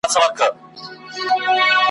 ترې يې وپوښتې كيسې د عملونو `